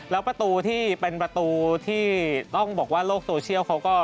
แล้วประตูที่เป็นประตูที่ต้องบอกว่าโลกโซเชียลเขาก็